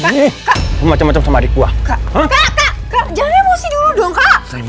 nih macam macam sama adik gua